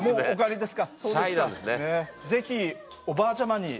結子おばあちゃん！